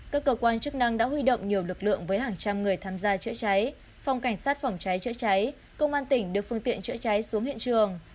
các cơ quan chức năng đã huy động nhiều lực lượng với hàng trăm người tham gia chữa cháy phòng cảnh sát phòng cháy chữa cháy công an tỉnh đưa phương tiện chữa cháy xuống hiện trường